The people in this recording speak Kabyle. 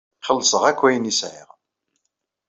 Xellṣeɣ akk ayen ay sɛiɣ.